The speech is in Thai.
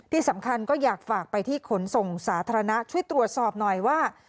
ที่สำคัญก็อยากฝากไปที่ขนส่งสาธารณะช่วยตรวจสอบหน่อยว่า